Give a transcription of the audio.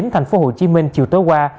thành phố hồ chí minh chiều tối qua